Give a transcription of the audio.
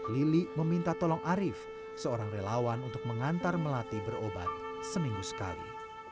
lili meminta tolong arief seorang relawan untuk mengantar melati berobat seminggu sekali